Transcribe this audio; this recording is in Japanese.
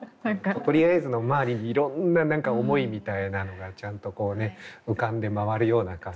「とりあえず」の周りにいろんな何か思いみたいなのがちゃんと浮かんで回るような感じ。